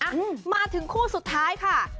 อืมมาถึงคู่สุดท้ายค่ะ